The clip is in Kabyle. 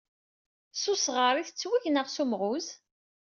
S usɣar ay yettweg neɣ s umɣuz?